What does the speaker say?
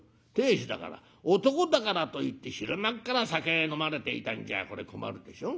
亭主だから男だからといって昼間っから酒飲まれていたんじゃこれ困るでしょ。